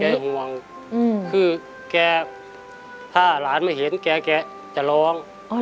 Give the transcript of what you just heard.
ห่วงคือแกถ้าหลานไม่เห็นแกจะร้อง